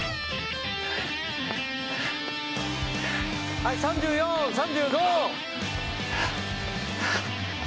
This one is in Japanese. はい３４３５。